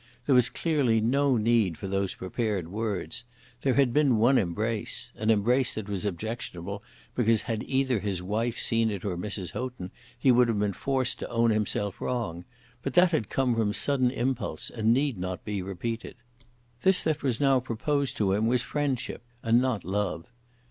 There was clearly no need for those prepared words. There had been one embrace, an embrace that was objectionable because, had either his wife seen it or Mr. Houghton, he would have been forced to own himself wrong; but that had come from sudden impulse, and need not be repeated. This that was now proposed to him was friendship, and not love.